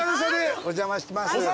お邪魔してます。